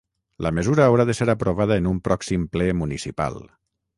La mesura haurà de ser aprovada en un pròxim ple municipal.